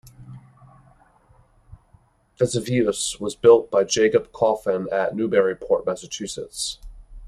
"Vesuvius" was built by Jacob Coffin at Newburyport, Massachusetts.